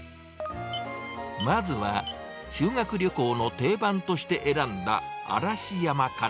まずは、修学旅行の定番として選んだ嵐山から。